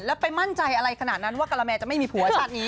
แล้วไปมั่นใจอะไรขนาดนั้นว่ากะละแม่จะไม่มีผัวชาตินี้